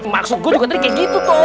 maksud gua tadi kayak gitu tuh